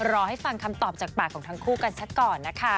รอให้ฟังคำตอบจากปากของทั้งคู่กันสักก่อนนะคะ